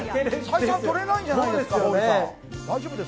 採算取れないんじゃないですか？